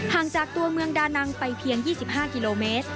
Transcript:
ห่างจากตัวเมืองดานังไปเพียง๒๕กิโลเมตร